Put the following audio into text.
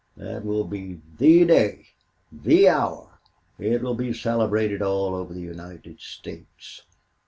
That will be THE day THE hour!... It will be celebrated all over the United States."